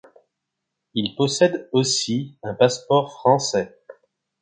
Il possède aussi un passeport français.